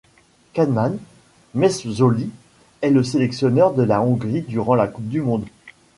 Kálmán Mészöly est le sélectionneur de la Hongrie durant la Coupe du monde.